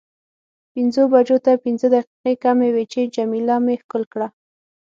پنځو بجو ته پنځه دقیقې کمې وې چې جميله مې ښکل کړه.